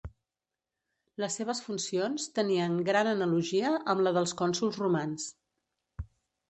Les seves funcions tenien gran analogia amb la dels cònsols romans.